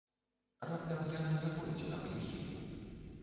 Раптам яна не пойдзе на паніхіду?